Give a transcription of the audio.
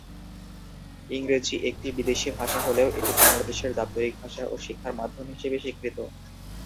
ইংরেজি একটি বিদেশি ভাষা হলেও এটি বাংলাদেশের দাপ্তরিক ভাষা ও শিক্ষার মাধ্যম হিসেবে স্বীকৃত।